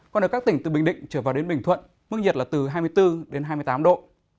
còn ở các tỉnh từ bình định trở vào đến bình thuận mức nhiệt là từ hai mươi bốn đến hai mươi tám độ